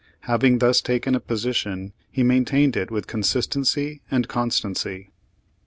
Page Thirty five thus taken a position he maintained it with con sistency and constancy.